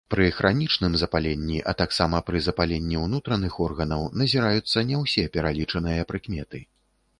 Пры хранічным запаленні, а таксама пры запаленні ўнутраных органаў назіраюцца не ўсе пералічаныя прыкметы.